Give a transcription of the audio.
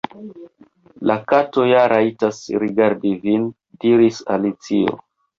"La Kato ja rajtas_ rigardi vin," diris Alicio. "